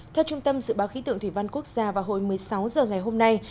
theo trung tâm dự báo khí tượng thủy văn quốc gia vào hồi một mươi sáu h ngày hôm nay